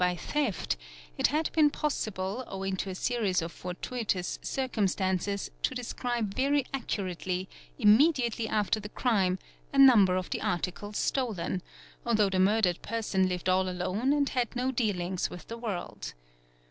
by theft, it had been possible owing to aseries of fortuitous circumstances to describe very accurately, imme a lately after the crime, a number of the articles stolen, although the _ murdered person lived all alone and had no dealings with the world.